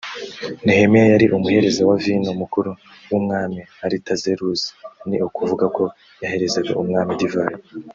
nehemiya yari umuhereza wa vino mukuru w umwami aritazeruzi ni ukuvuga ko yaherezaga umwami divayi